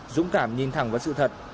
dũng cảm nhìn thẳng vào sự thật